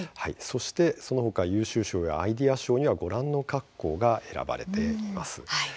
そしてそのほか優秀賞やアイデア賞にはご覧の各校が選ばれています。